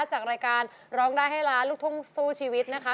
จากรายการร้องได้ให้ล้านลูกทุ่งสู้ชีวิตนะคะ